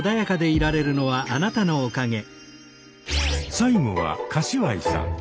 最後は柏井さん。